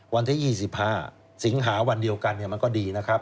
วันที่๒๕สิงหาวันเดียวกันมันก็ดีนะครับ